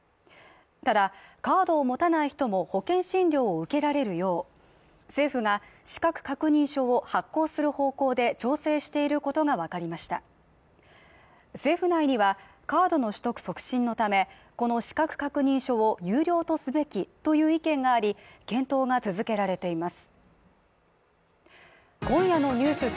ただカードを持たない人も保険診療を受けられるよう政府が資格確認書を発行する方向で調整していることが分かりました政府内にはカードの取得促進のためこの資格確認書を有料とすべきという意見があり検討が続けられています